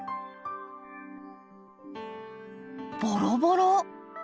ボロボロ。